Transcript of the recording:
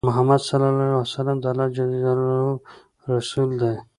محمد صلی الله عليه وسلم د الله جل جلاله رسول دی۔